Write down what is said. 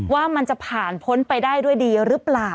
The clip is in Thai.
ว่ามันจะผ่านพ้นไปได้ด้วยดีหรือเปล่า